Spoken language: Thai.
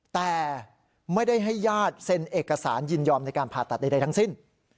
แต่ไม่ได้ให้ญาติเซ็นเอกสารยินยอมในการผ่าตัดใดทั้งสิ้น